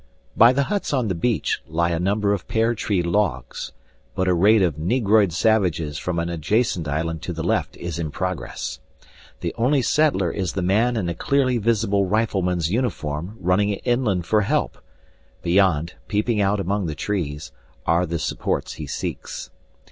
By the huts on the beach lie a number of pear tree logs; but a raid of negroid savages from the to the left is in the only settler is the man in a adjacent island progress, and clearly visible rifleman's uniform running inland for help. Beyond, peeping out among the trees, are the supports he seeks.